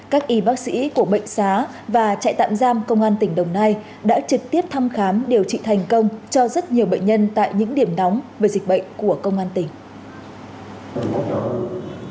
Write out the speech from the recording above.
các y bác sĩ của bệnh xá và trại tạm giam công an tp hcm đã trực tiếp thăm khám điều trị thành công cho rất nhiều bệnh nhân tại những điểm nóng về dịch bệnh của công an tp hcm